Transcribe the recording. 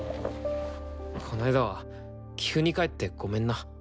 この間は急に帰ってごめんな。